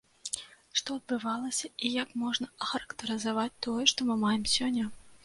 Што адбывалася і як можна ахарактарызаваць тое, што мы маем сёння?